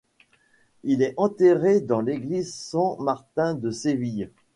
Il est enterré dans l'église San Martin de Séville.